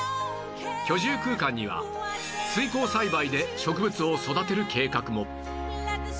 居住空間には水耕栽培で植物を育てる計画も